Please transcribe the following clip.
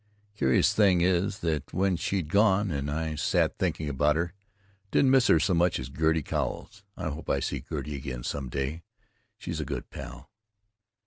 Curious thing is that when she'd gone and I sat thinking about her I didn't miss her so much as Gertie Cowles. I hope I see Gertie again some day, she is a good pal.